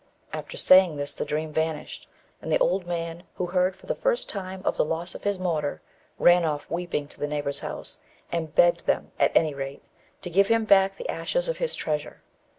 After saying this the dream vanished, and the old man, who heard for the first time of the loss of his mortar, ran off weeping to the neighbours' house, and begged them, at any rate, to give him back the ashes of his treasure.